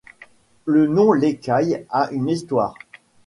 Le nom L'Écaille a une histoire.